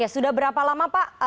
sudah berapa lama pak